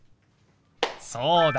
そうだ！